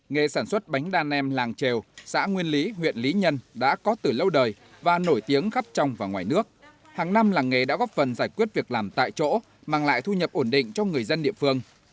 nghề sản xuất bánh đa nem làng trèo xã nguyên lý huyện lý nhân đã có từ lâu đời và nổi tiếng khắp trong và ngoài nước hàng năm làng nghề đã góp phần giải quyết việc làm tại chỗ mang lại thu nhập ổn định cho người dân địa phương